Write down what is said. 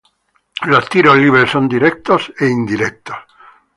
Los tiros libres son directos e indirectos.